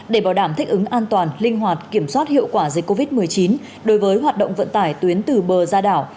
để bảo đảm thích ứng an toàn linh hoạt kiểm soát hiệu quả dịch covid một mươi chín đối với hoạt động vận tải tuyến từ bờ ra đảo